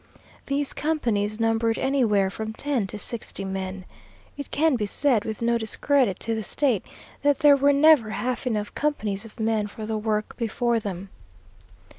These companies numbered anywhere from ten to sixty men. It can be said with no discredit to the State that there were never half enough companies of men for the work before them.